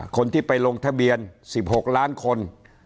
คนที่ไปลงทะเบียน๑๖ล้านคน